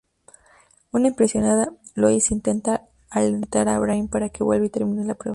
Una impresionada Lois intenta alentar a Brian para que vuelva y termine la prueba.